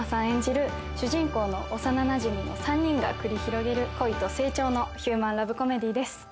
演じる主人公の幼なじみの３人が繰り広げる恋と成長のヒューマンラブコメディーです